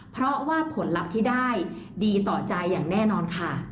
เพราะว่าผลลัพธ์ที่ได้ดีต่อใจอย่างแน่นอนค่ะ